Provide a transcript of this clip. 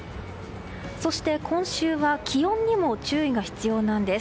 そして今週は気温にも注意が必要なんです。